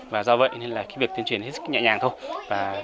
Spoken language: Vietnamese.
và do vậy việc tuyên truyền hết sức nhẹ nhàng thôi